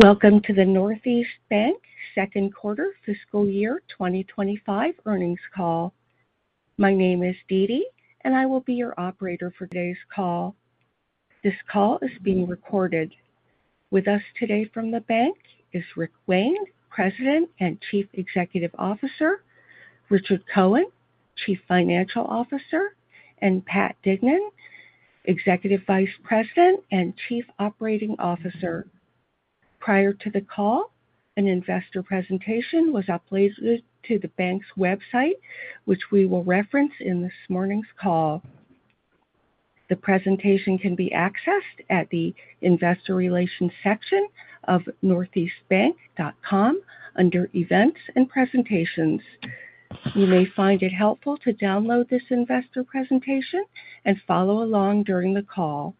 Welcome to the Northeast Bank Second Quarter Fiscal Year 2025 Earnings Call. My name is Dee Dee, and I will be your operator for today's call. This call is being recorded. With us today from the bank is Rick Wayne, President and Chief Executive Officer; Richard Cohen, Chief Financial Officer; and Pat Dignan, Executive Vice President and Chief Operating Officer. Prior to the call, an investor presentation was uploaded to the bank's website, which we will reference in this morning's call. The presentation can be accessed at the Investor Relations section of northeastbank.com under Events and Presentations. You may find it helpful to download this investor presentation and follow along during the call.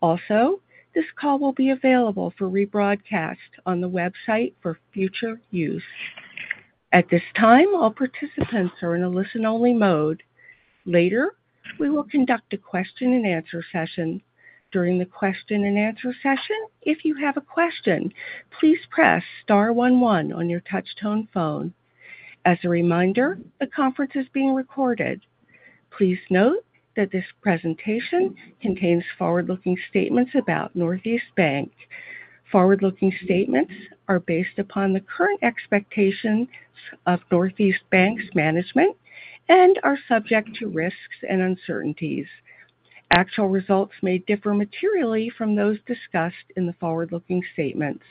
Also, this call will be available for rebroadcast on the website for future use. At this time, all participants are in a listen-only mode. Later, we will conduct a question-and-answer session. During the question-and-answer session, if you have a question, please press star one one on your touch-tone phone. As a reminder, the conference is being recorded. Please note that this presentation contains forward-looking statements about Northeast Bank. Forward-looking statements are based upon the current expectations of Northeast Bank's management and are subject to risks and uncertainties. Actual results may differ materially from those discussed in the forward-looking statements.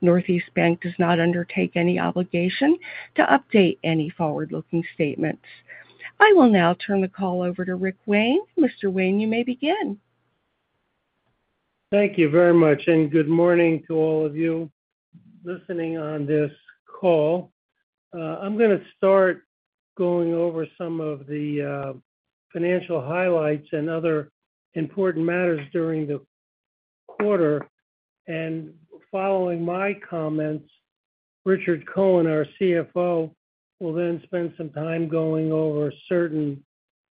Northeast Bank does not undertake any obligation to update any forward-looking statements. I will now turn the call over to Rick Wayne. Mr. Wayne, you may begin. Thank you very much, and good morning to all of you listening on this call. I'm going to start going over some of the financial highlights and other important matters during the quarter, and following my comments, Richard Cohen, our CFO, will then spend some time going over certain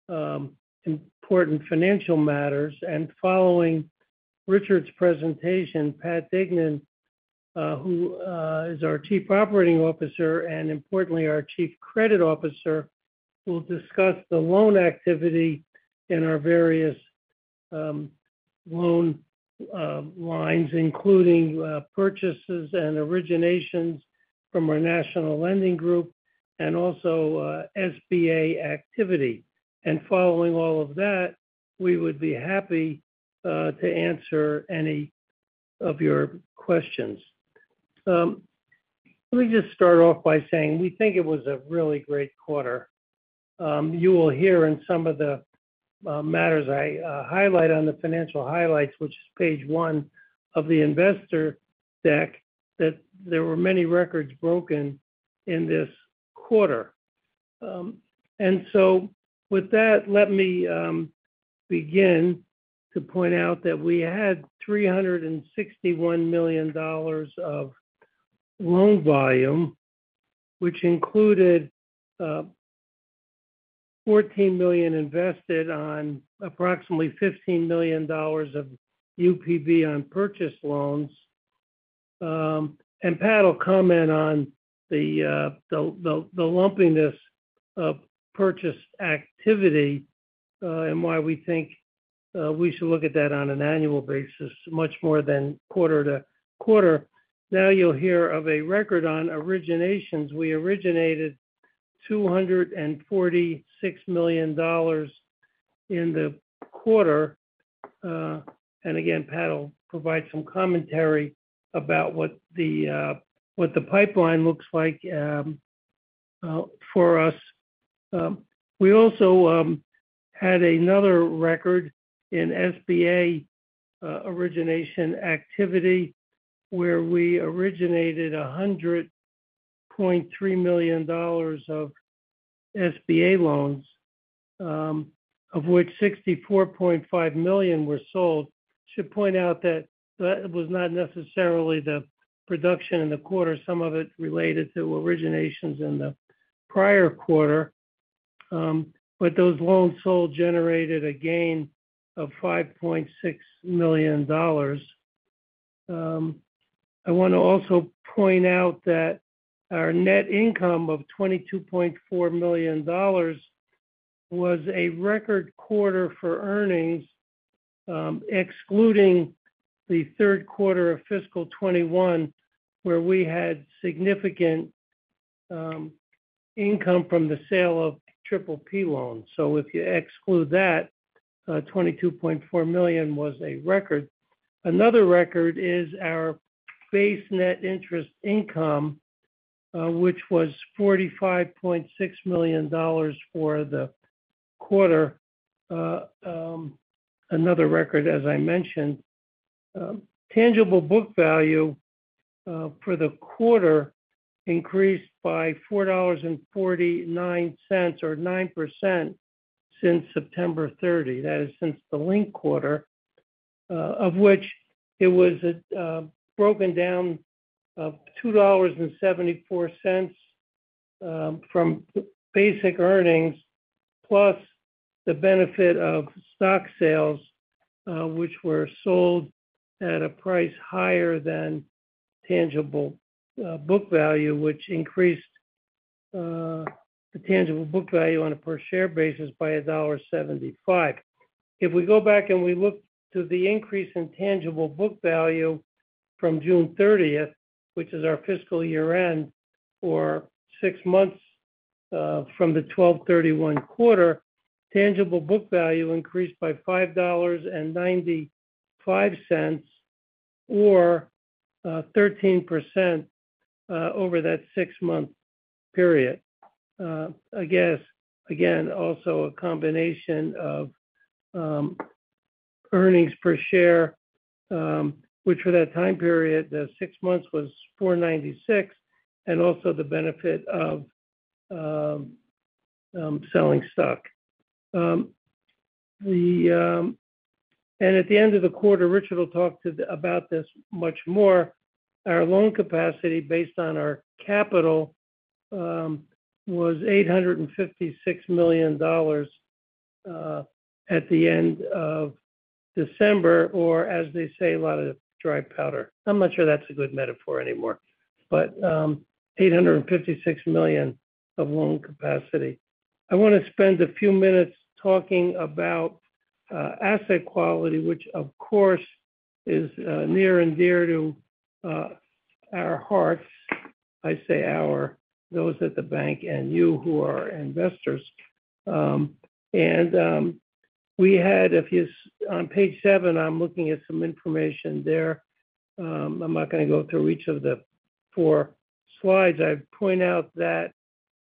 important financial matters, and following Richard's presentation, Pat Dignan, who is our Chief Operating Officer and, importantly, our Chief Credit Officer, will discuss the loan activity in our various loan lines, including purchases and originations from our National Lending Group and also SBA activity, and following all of that, we would be happy to answer any of your questions. Let me just start off by saying we think it was a really great quarter. You will hear in some of the matters I highlight on the financial highlights, which is page one of the investor deck, that there were many records broken in this quarter. And so with that, let me begin to point out that we had $361 million of loan volume, which included $14 million invested on approximately $15 million of UPB on purchase loans. And Pat will comment on the lumpiness of purchase activity and why we think we should look at that on an annual basis much more than quarter to quarter. Now you'll hear of a record on originations. We originated $246 million in the quarter. And again, Pat will provide some commentary about what the pipeline looks like for us. We also had another record in SBA origination activity where we originated $100.3 million of SBA loans, of which $64.5 million were sold. I should point out that that was not necessarily the production in the quarter. Some of it related to originations in the prior quarter. But those loans sold generated a gain of $5.6 million. I want to also point out that our net income of $22.4 million was a record quarter for earnings, excluding the third quarter of fiscal 2021, where we had significant income from the sale of PPP loans. So if you exclude that, $22.4 million was a record. Another record is our base net interest income, which was $45.6 million for the quarter. Another record, as I mentioned, tangible book value for the quarter increased by $4.49 or 9% since September 30, that is, since the linked quarter, of which it was broken down of $2.74 from basic earnings plus the benefit of stock sales, which were sold at a price higher than tangible book value, which increased the tangible book value on a per-share basis by $1.75. If we go back and we look to the increase in tangible book value from June 30, which is our fiscal year-end, or six months from the 12/31 quarter, tangible book value increased by $5.95 or 13% over that six-month period. I guess, again, also a combination of earnings per share, which for that time period, the six months was $4.96, and also the benefit of selling stock, and at the end of the quarter, Richard will talk about this much more. Our loan capacity based on our capital was $856 million at the end of December, or as they say, a lot of dry powder. I'm not sure that's a good metaphor anymore, but $856 million of loan capacity. I want to spend a few minutes talking about asset quality, which, of course, is near and dear to our hearts. I say our, those at the bank and you who are investors. And we had, if you're on page seven, I'm looking at some information there. I'm not going to go through each of the four slides. I point out that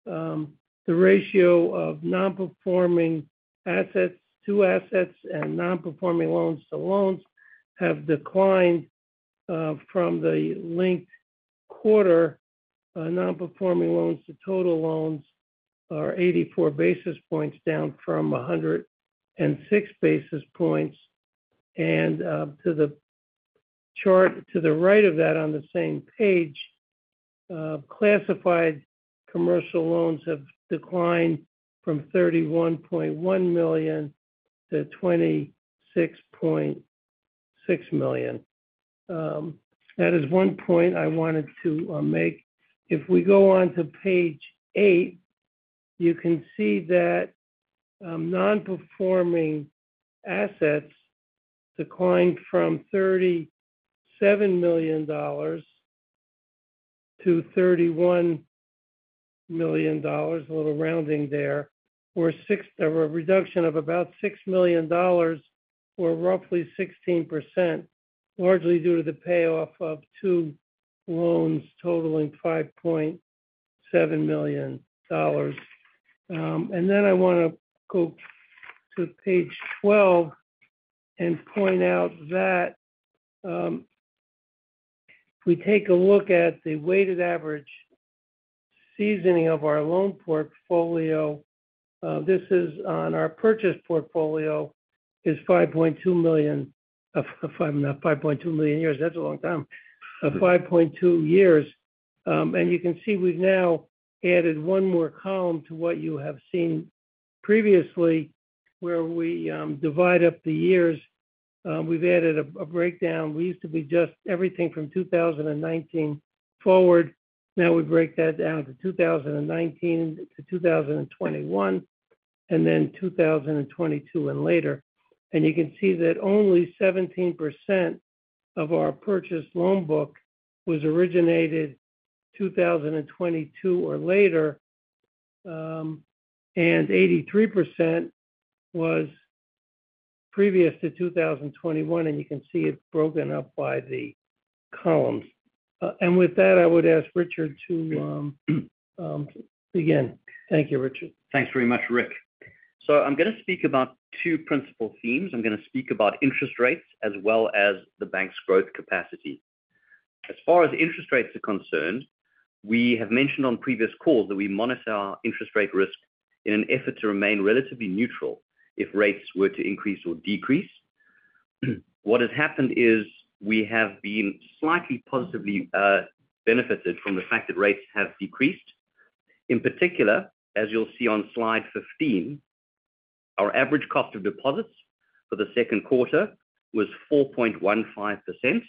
the ratio of non-performing assets to assets and non-performing loans to loans have declined from the linked quarter. Non-performing loans to total loans are 84 basis points down from 106 basis points. And to the chart to the right of that on the same page, classified commercial loans have declined from $31.1 million to $26.6 million. That is one point I wanted to make. If we go on to page eight, you can see that non-performing assets declined from $37 million to $31 million, a little rounding there, or a reduction of about $6 million or roughly 16%, largely due to the payoff of two loans totaling $5.7 million. And then I want to go to page 12 and point out that if we take a look at the weighted average seasoning of our loan portfolio, this is on our purchase portfolio, is 5.2 million—if I'm not 5.2 million years, that's a long time—of 5.2 years. And you can see we've now added one more column to what you have seen previously where we divide up the years. We've added a breakdown. We used to be just everything from 2019 forward. Now we break that down to 2019 to 2021, and then 2022 and later. And you can see that only 17% of our purchased loan book was originated 2022 or later, and 83% was previous to 2021. And you can see it's broken up by the columns. And with that, I would ask Richard to begin. Thank you, Richard. Thanks very much, Rick. So I'm going to speak about two principal themes. I'm going to speak about interest rates as well as the bank's growth capacity. As far as interest rates are concerned, we have mentioned on previous calls that we monitor our interest rate risk in an effort to remain relatively neutral if rates were to increase or decrease. What has happened is we have been slightly positively benefited from the fact that rates have decreased. In particular, as you'll see on slide 15, our average cost of deposits for the second quarter was 4.15%.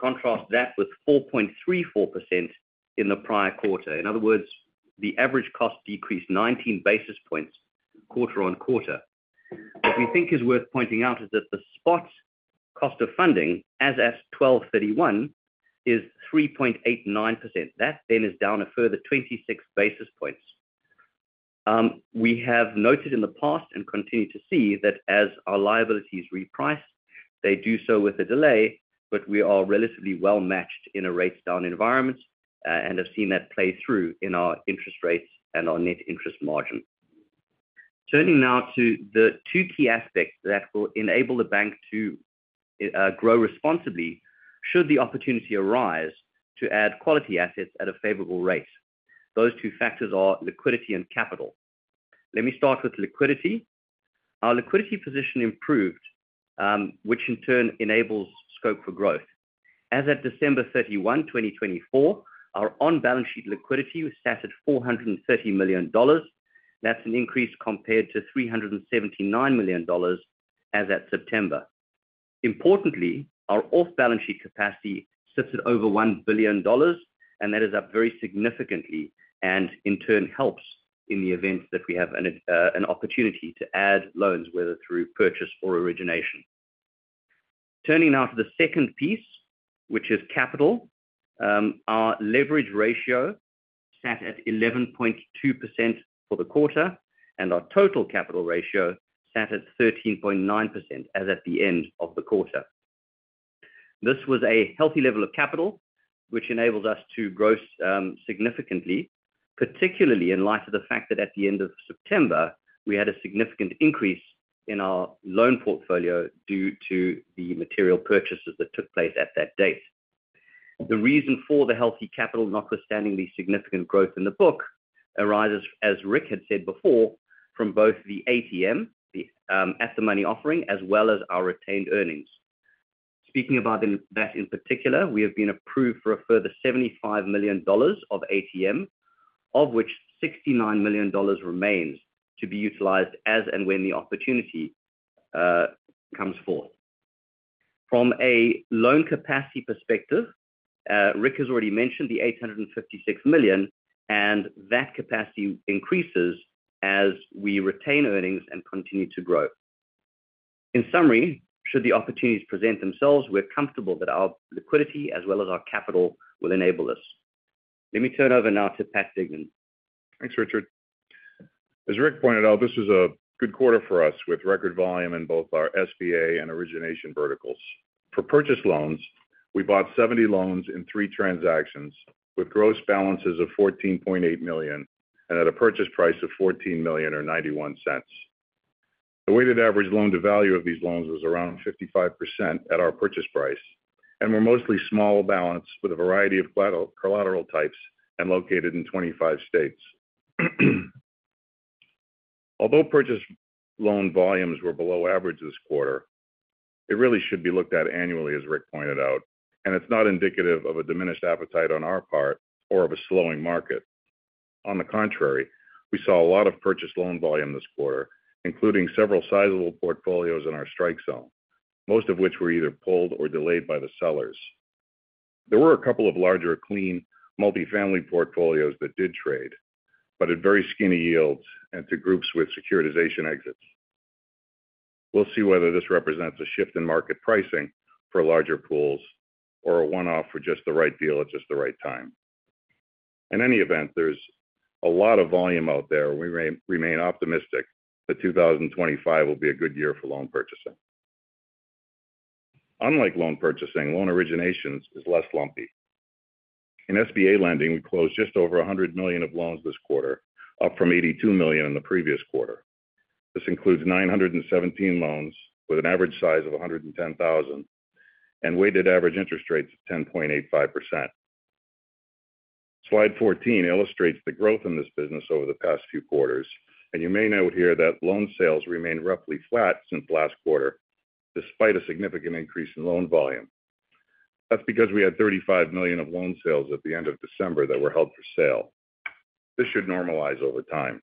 Contrast that with 4.34% in the prior quarter. In other words, the average cost decreased 19 basis points quarter on quarter. What we think is worth pointing out is that the spot cost of funding, as at 12/31, is 3.89%. That then is down a further 26 basis points. We have noted in the past and continue to see that as our liabilities reprice, they do so with a delay, but we are relatively well matched in a rate-down environment and have seen that play through in our interest rates and our net interest margin. Turning now to the two key aspects that will enable the bank to grow responsibly should the opportunity arise to add quality assets at a favorable rate. Those two factors are liquidity and capital. Let me start with liquidity. Our liquidity position improved, which in turn enables scope for growth. As at December 31, 2024, our on-balance sheet liquidity was set at $430 million. That's an increase compared to $379 million as at September. Importantly, our off-balance sheet capacity sits at over $1 billion, and that is up very significantly and in turn helps in the event that we have an opportunity to add loans, whether through purchase or origination. Turning now to the second piece, which is capital, our leverage ratio sat at 11.2% for the quarter, and our total capital ratio sat at 13.9% as at the end of the quarter. This was a healthy level of capital, which enables us to grow significantly, particularly in light of the fact that at the end of September, we had a significant increase in our loan portfolio due to the material purchases that took place at that date. The reason for the healthy capital, notwithstanding the significant growth in the book, arises, as Rick had said before, from both the ATM, the at-the-market offering, as well as our retained earnings. Speaking about that in particular, we have been approved for a further $75 million of ATM, of which $69 million remains to be utilized as and when the opportunity comes forth. From a loan capacity perspective, Rick has already mentioned the $856 million, and that capacity increases as we retain earnings and continue to grow. In summary, should the opportunities present themselves, we're comfortable that our liquidity, as well as our capital, will enable us. Let me turn over now to Pat Dignan. Thanks, Richard. As Rick pointed out, this was a good quarter for us with record volume in both our SBA and origination verticals. For purchase loans, we bought 70 loans in three transactions with gross balances of $14.8 million and at a purchase price of $14.91. The weighted average loan-to-value of these loans was around 55% at our purchase price, and we're mostly small balance with a variety of collateral types and located in 25 states. Although purchase loan volumes were below average this quarter, it really should be looked at annually, as Rick pointed out, and it's not indicative of a diminished appetite on our part or of a slowing market. On the contrary, we saw a lot of purchase loan volume this quarter, including several sizable portfolios in our strike zone, most of which were either pulled or delayed by the sellers. There were a couple of larger clean multifamily portfolios that did trade, but at very skinny yields and to groups with securitization exits. We'll see whether this represents a shift in market pricing for larger pools or a one-off for just the right deal at just the right time. In any event, there's a lot of volume out there, and we remain optimistic that 2025 will be a good year for loan purchasing. Unlike loan purchasing, loan originations is less lumpy. In SBA lending, we closed just over $100 million of loans this quarter, up from $82 million in the previous quarter. This includes 917 loans with an average size of $110,000 and weighted average interest rates of 10.85%. Slide 14 illustrates the growth in this business over the past few quarters, and you may note here that loan sales remained roughly flat since last quarter, despite a significant increase in loan volume. That's because we had $35 million of loan sales at the end of December that were held for sale. This should normalize over time.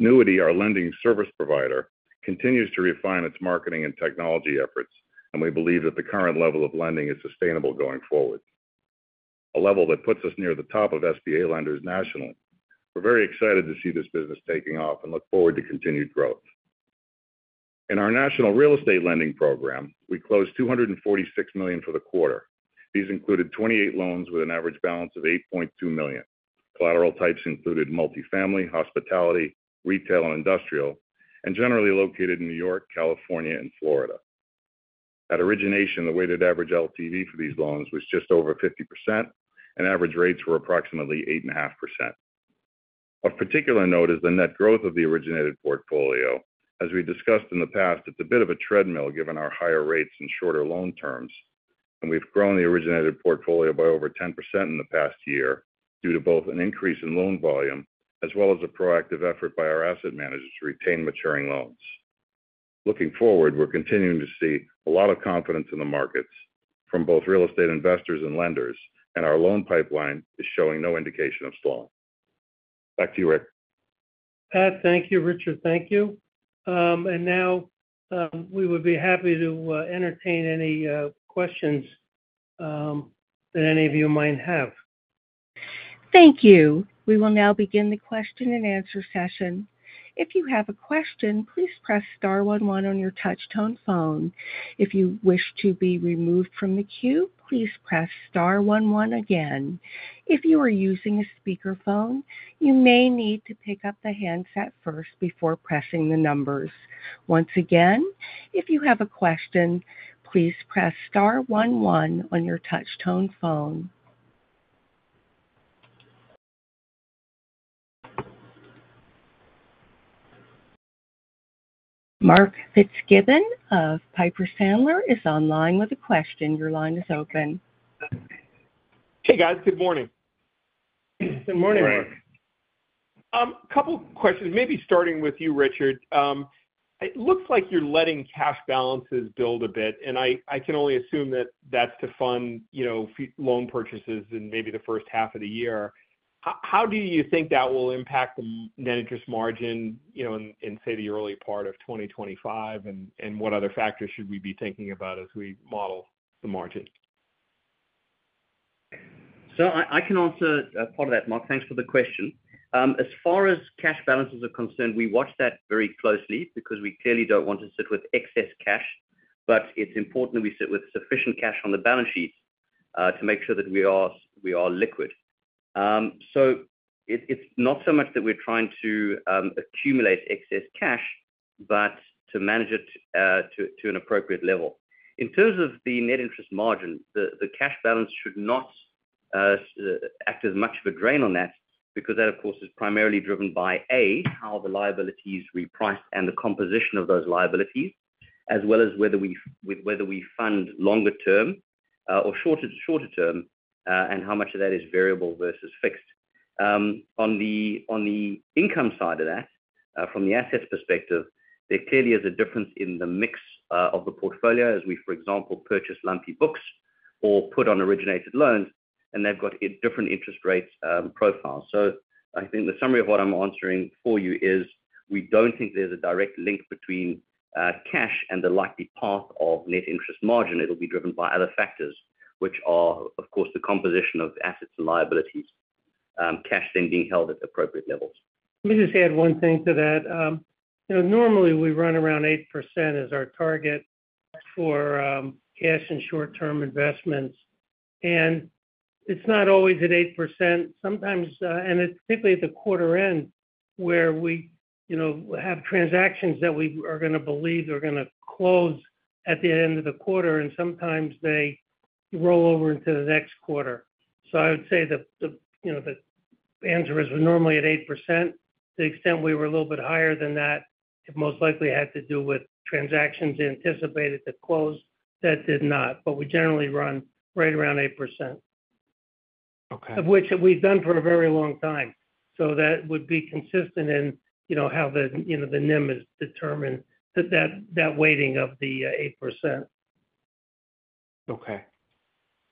Newity, our lending service provider, continues to refine its marketing and technology efforts, and we believe that the current level of lending is sustainable going forward, a level that puts us near the top of SBA lenders nationally. We're very excited to see this business taking off and look forward to continued growth. In our national real estate lending program, we closed $246 million for the quarter. These included 28 loans with an average balance of $8.2 million. Collateral types included multifamily, hospitality, retail, and industrial, and generally located in New York, California, and Florida. At origination, the weighted average LTV for these loans was just over 50%, and average rates were approximately 8.5%. Of particular note is the net growth of the originated portfolio. As we discussed in the past, it's a bit of a treadmill given our higher rates and shorter loan terms, and we've grown the originated portfolio by over 10% in the past year due to both an increase in loan volume as well as a proactive effort by our asset managers to retain maturing loans. Looking forward, we're continuing to see a lot of confidence in the markets from both real estate investors and lenders, and our loan pipeline is showing no indication of slowing. Back to you, Rick. Thank you, Richard. Thank you. And now we would be happy to entertain any questions that any of you might have. Thank you. We will now begin the question-and-answer session. If you have a question, please press star one one on your touch-tone phone. If you wish to be removed from the queue, please press star one one again. If you are using a speakerphone, you may need to pick up the handset first before pressing the numbers. Once again, if you have a question, please press star one one on your touch-tone phone. Mark Fitzgibbon of Piper Sandler is online with a question. Your line is open. Hey, guys. Good morning. Good morning. A couple of questions, maybe starting with you, Richard. It looks like you're letting cash balances build a bit, and I can only assume that that's to fund loan purchases in maybe the first half of the year. How do you think that will impact the net interest margin in, say, the early part of 2025, and what other factors should we be thinking about as we model the margin? So I can answer part of that, Mark. Thanks for the question. As far as cash balances are concerned, we watch that very closely because we clearly don't want to sit with excess cash, but it's important that we sit with sufficient cash on the balance sheets to make sure that we are liquid. So it's not so much that we're trying to accumulate excess cash, but to manage it to an appropriate level. In terms of the net interest margin, the cash balance should not act as much of a drain on that because that, of course, is primarily driven by, A, how the liabilities repriced and the composition of those liabilities, as well as whether we fund longer-term or shorter-term and how much of that is variable versus fixed. On the income side of that, from the assets perspective, there clearly is a difference in the mix of the portfolio as we, for example, purchase lumpy books or put on originated loans, and they've got different interest rate profiles. So I think the summary of what I'm answering for you is we don't think there's a direct link between cash and the likely path of net interest margin. It'll be driven by other factors, which are, of course, the composition of assets and liabilities, cash then being held at appropriate levels. Let me just add one thing to that. Normally, we run around 8% as our target for cash and short-term investments, and it's not always at 8%. Sometimes, and it's typically at the quarter end where we have transactions that we are going to believe are going to close at the end of the quarter, and sometimes they roll over into the next quarter. So I would say the answer is we're normally at 8%. To the extent we were a little bit higher than that, it most likely had to do with transactions anticipated to close that did not, but we generally run right around 8%, of which we've done for a very long time. So that would be consistent in how the NIM is determined, that weighting of the 8%. Okay.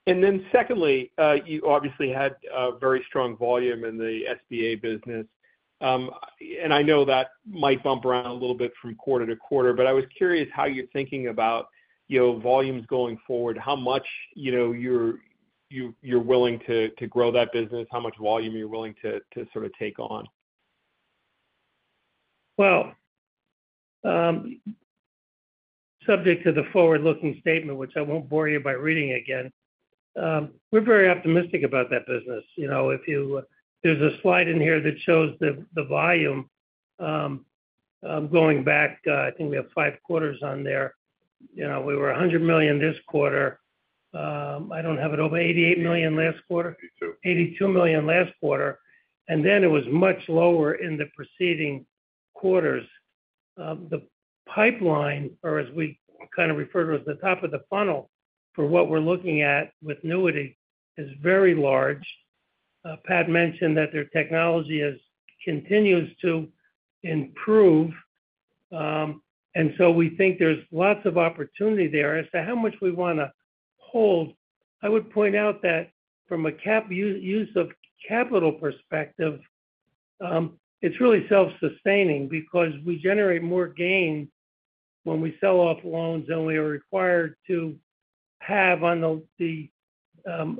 And then secondly, you obviously had very strong volume in the SBA business, and I know that might bump around a little bit from quarter to quarter, but I was curious how you're thinking about volumes going forward, how much you're willing to grow that business, how much volume you're willing to sort of take on? Subject to the forward-looking statement, which I won't bore you by reading again, we're very optimistic about that business. There's a slide in here that shows the volume going back. I think we have five quarters on there. We were $100 million this quarter. I don't have it over $88 million last quarter, $82 million last quarter, and then it was much lower in the preceding quarters. The pipeline, or as we kind of refer to it as the top of the funnel for what we're looking at with Newity, is very large. Pat mentioned that their technology continues to improve, and so we think there's lots of opportunity there as to how much we want to hold. I would point out that from a use of capital perspective, it's really self-sustaining because we generate more gain when we sell off loans than we are required to have on the 18%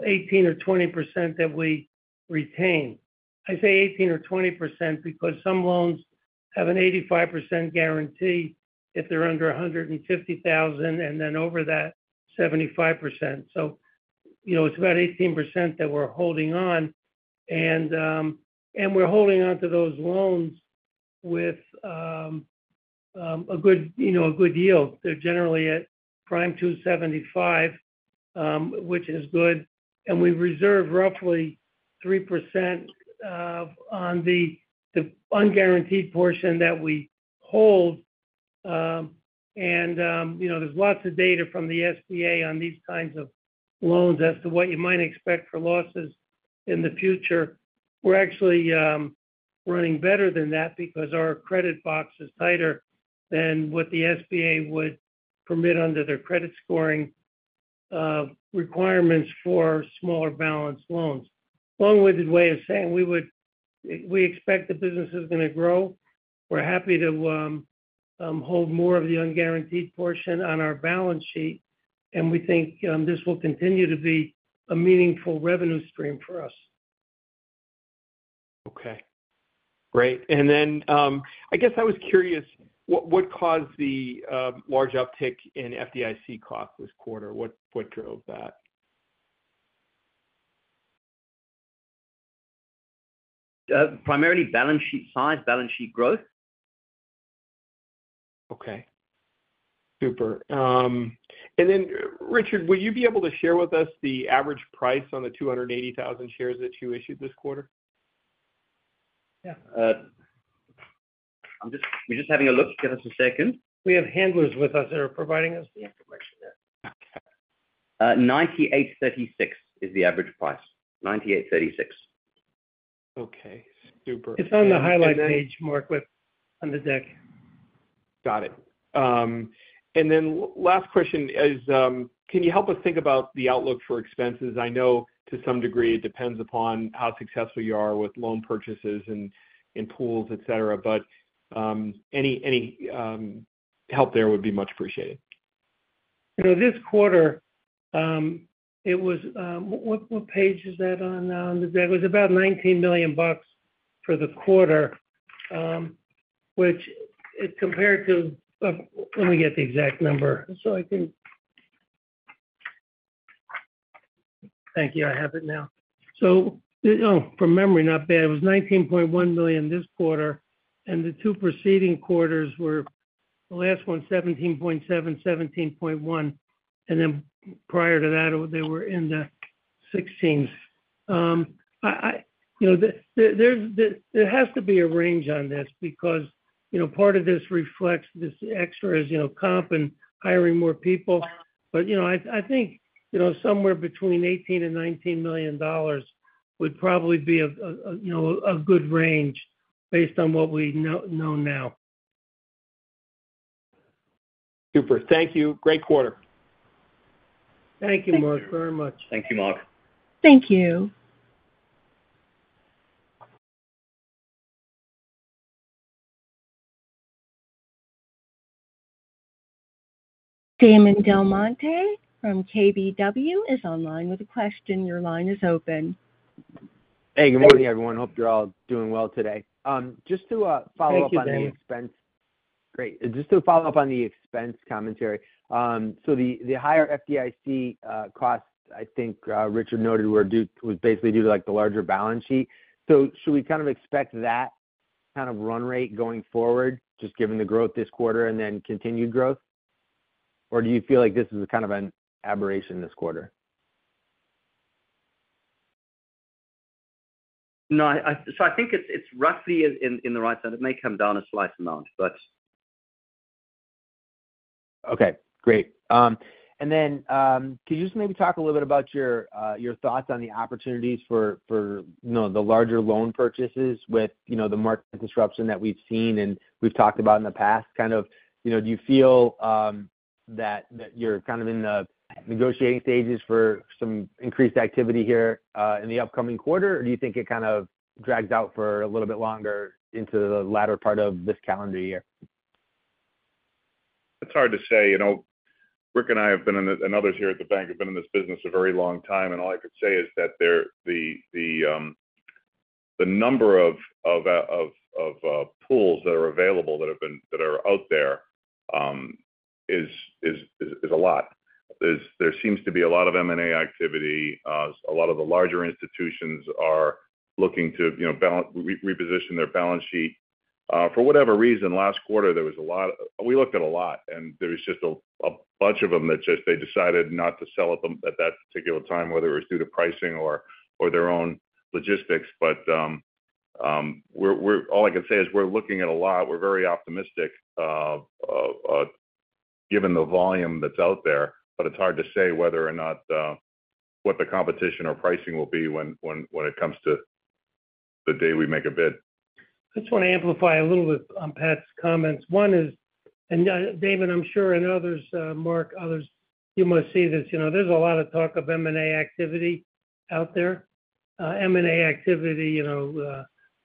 or 20% that we retain. I say 18% or 20% because some loans have an 85% guarantee if they're under 150,000 and then over that 75%. So it's about 18% that we're holding on, and we're holding on to those loans with a good yield. They're generally at Prime 275, which is good, and we reserve roughly 3% on the unguaranteed portion that we hold. And there's lots of data from the SBA on these kinds of loans as to what you might expect for losses in the future. We're actually running better than that because our credit box is tighter than what the SBA would permit under their credit scoring requirements for smaller balance loans. Long-winded way of saying, we expect the business is going to grow. We're happy to hold more of the unguaranteed portion on our balance sheet, and we think this will continue to be a meaningful revenue stream for us. Okay. Great. And then I guess I was curious, what caused the large uptick in FDIC costs this quarter? What drove that? Primarily balance sheet size, balance sheet growth. Okay. Super. And then, Richard, will you be able to share with us the average price on the 280,000 shares that you issued this quarter? Yeah. We're just having a look. Give us a second. We have handlers with us that are providing us the information. $98.36 is the average price. $98.36. Okay. Super. It's on the highlight page, Mark, on the deck. Got it. And then last question is, can you help us think about the outlook for expenses? I know to some degree it depends upon how successful you are with loan purchases and pools, etc., but any help there would be much appreciated. This quarter, it was what page is that on the deck? It was about $19 million for the quarter, which it's compared to let me get the exact number so I can. Thank you. I have it now. So from memory, not bad. It was $19.1 million this quarter, and the two preceding quarters were the last one, $17.7 million, $17.1 million, and then prior to that, they were in the 16s. There has to be a range on this because part of this reflects this extra as comp and hiring more people, but I think somewhere between $18 million and $19 million would probably be a good range based on what we know now. Super. Thank you. Great quarter. Thank you, Mark, very much. Thank you, Mark. Thank you. Damon DelMonte from KBW is online with a question. Your line is open. Hey, good morning, everyone. Hope you're all doing well today. Just to follow up on the expense. Thank you, Damon. Great. Just to follow up on the expense commentary. So the higher FDIC costs, I think Richard noted, were basically due to the larger balance sheet. So should we kind of expect that kind of run rate going forward, just given the growth this quarter and then continued growth? Or do you feel like this is kind of an aberration this quarter? No. So I think it's roughly in the right side. It may come down a slight amount, but. Okay. Great. And then could you just maybe talk a little bit about your thoughts on the opportunities for the larger loan purchases with the market disruption that we've seen and we've talked about in the past? Kind of do you feel that you're kind of in the negotiating stages for some increased activity here in the upcoming quarter, or do you think it kind of drags out for a little bit longer into the latter part of this calendar year? It's hard to say. Rick and I have been and others here at the bank have been in this business a very long time, and all I could say is that the number of pools that are available that are out there is a lot. There seems to be a lot of M&A activity. A lot of the larger institutions are looking to reposition their balance sheet. For whatever reason, last quarter, there was a lot we looked at a lot, and there was just a bunch of them that just they decided not to sell at that particular time, whether it was due to pricing or their own logistics. But all I can say is we're looking at a lot. We're very optimistic given the volume that's out there, but it's hard to say whether or not what the competition or pricing will be when it comes to the day we make a bid. I just want to amplify a little bit on Pat's comments. One is, and Damon, I'm sure, and others, Mark, others, you must see this. There's a lot of talk of M&A activity out there. M&A activity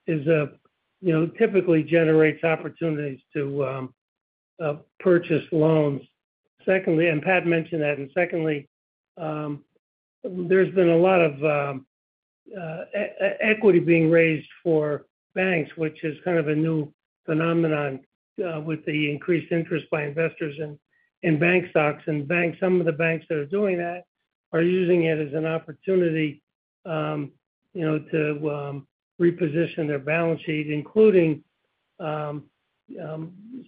typically generates opportunities to purchase loans. And Pat mentioned that. And secondly, there's been a lot of equity being raised for banks, which is kind of a new phenomenon with the increased interest by investors in bank stocks. And some of the banks that are doing that are using it as an opportunity to reposition their balance sheet, including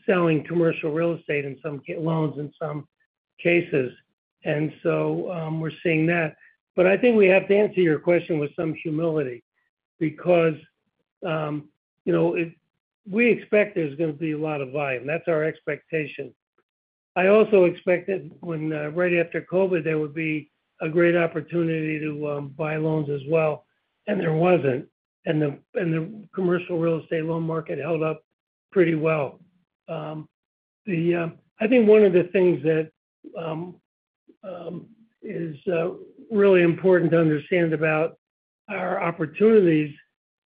selling commercial real estate and some loans in some cases. And so we're seeing that. But I think we have to answer your question with some humility because we expect there's going to be a lot of volume. That's our expectation. I also expected when right after COVID, there would be a great opportunity to buy loans as well, and there wasn't, and the commercial real estate loan market held up pretty well. I think one of the things that is really important to understand about our opportunities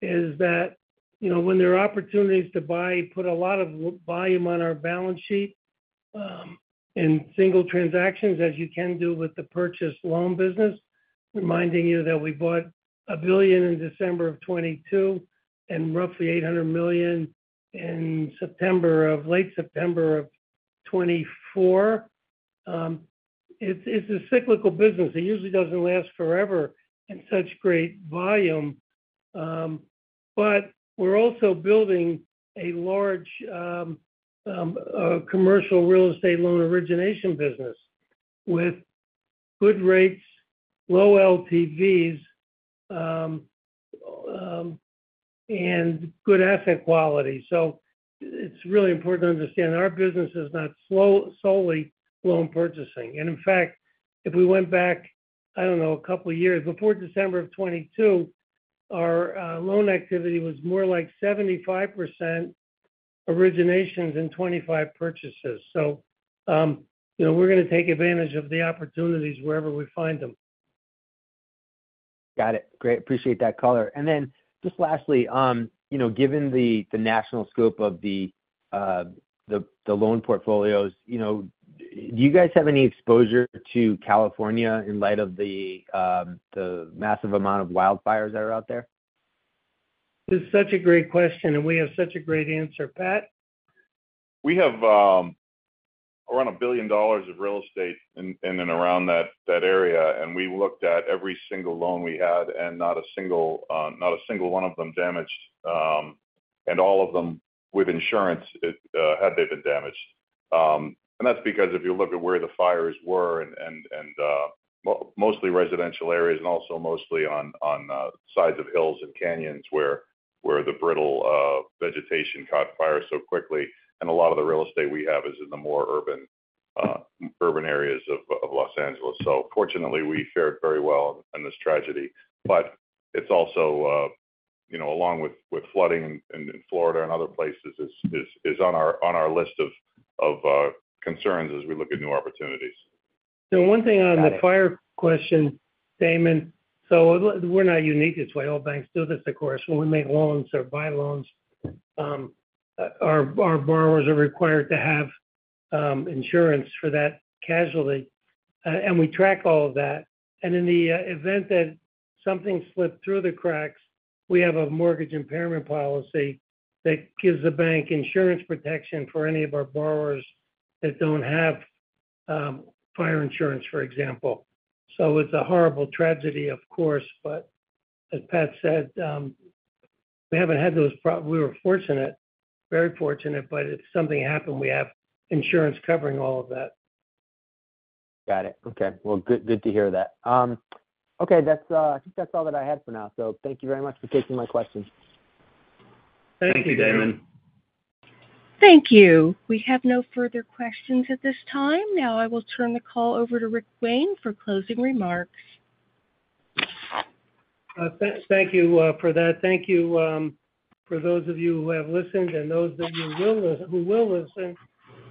is that when there are opportunities to buy, put a lot of volume on our balance sheet in single transactions, as you can do with the purchase loan business, reminding you that we bought $1 billion in December of 2022 and roughly $800 million in late September of 2024. It's a cyclical business. It usually doesn't last forever in such great volume, but we're also building a large commercial real estate loan origination business with good rates, low LTVs, and good asset quality, so it's really important to understand our business is not solely loan purchasing. In fact, if we went back, I don't know, a couple of years before December of 2022, our loan activity was more like 75% originations and 25% purchases. We're going to take advantage of the opportunities wherever we find them. Got it. Great. Appreciate that color. And then just lastly, given the national scope of the loan portfolios, do you guys have any exposure to California in light of the massive amount of wildfires that are out there? This is such a great question, and we have such a great answer. Pat? We have around $1 billion of real estate in and around that area, and we looked at every single loan we had and not a single one of them damaged, and all of them with insurance had they been damaged. And that's because if you look at where the fires were, and mostly residential areas, and also mostly on sides of hills and canyons where the brittle vegetation caught fire so quickly, and a lot of the real estate we have is in the more urban areas of Los Angeles. So fortunately, we fared very well in this tragedy. But it's also, along with flooding in Florida and other places, is on our list of concerns as we look at new opportunities. So one thing on the fire question, Damon. So we're not unique. It's why all banks do this, of course. When we make loans or buy loans, our borrowers are required to have insurance for that casualty, and we track all of that, and in the event that something slipped through the cracks, we have a mortgage impairment policy that gives the bank insurance protection for any of our borrowers that don't have fire insurance, for example, so it's a horrible tragedy, of course, but as Pat said, we haven't had those problems. We were fortunate, very fortunate, but if something happened, we have insurance covering all of that. Got it. Okay. Well, good to hear that. Okay. I think that's all that I had for now. So thank you very much for taking my questions. Thank you, Damon. Thank you. We have no further questions at this time. Now I will turn the call over to Rick Wayne for closing remarks. Thank you for that. Thank you for those of you who have listened and those who will listen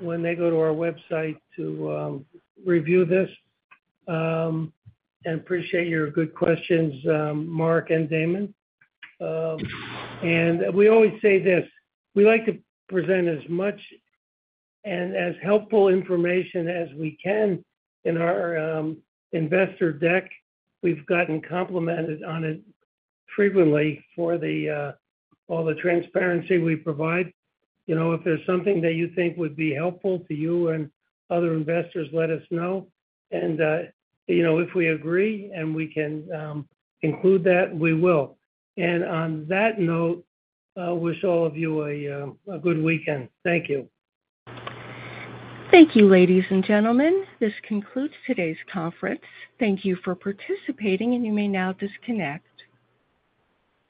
when they go to our website to review this. And appreciate your good questions, Mark and Damon. And we always say this: we like to present as much and as helpful information as we can in our investor deck. We've gotten complimented on it frequently for all the transparency we provide. If there's something that you think would be helpful to you and other investors, let us know. And if we agree and we can include that, we will. And on that note, wish all of you a good weekend. Thank you. Thank you, ladies and gentlemen. This concludes today's conference. Thank you for participating, and you may now disconnect.